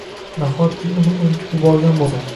Nahotki uni unutib yuborgan bo`lsa